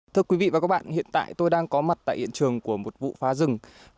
thưa quý vị và các bạn hiện tại tôi đang có mặt tại hiện trường của một vụ phá rừng